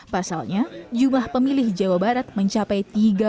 pasalnya jumlah pemilih jawa barat mencapai tiga puluh dua